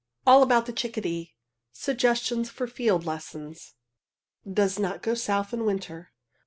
ALL ABOUT THE CHICKADEE SUGGESTIONS FOR FIELD LESSONS. Does not go south in winter.